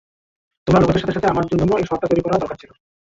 তোমার লোকেদের সাথে সাথে আমার জন্যও এই শহরটা তৈরী করা দরকার ছিল।